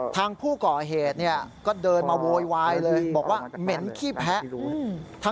ทางผู้ก่อเหตุก็เดินมาโวยวายเลยบอกว่าเหม็นขี้แพะ